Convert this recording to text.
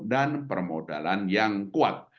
dan permodalan yang kuat